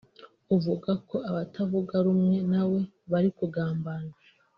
uvuga ko abatavuga rumwe nawe bari kugambana